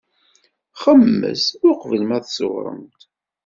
Xemmemet uqbel ma tsewrem-d.